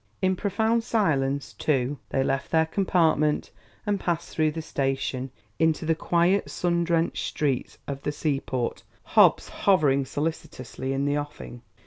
In profound silence, too, they left their compartment and passed through the station, into the quiet, sun drenched streets of the seaport, Hobbs hovering solicitously in the offing.